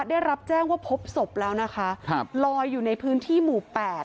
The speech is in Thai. ได้รับแจ้งว่าพบศพแล้วนะคะครับลอยอยู่ในพื้นที่หมู่แปด